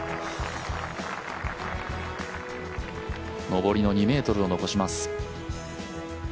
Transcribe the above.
上りの２ｍを残します。